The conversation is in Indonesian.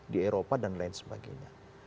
di eropa dan lain sebagainya